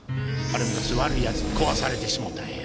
あれ昔悪い奴に壊されてしもたんや。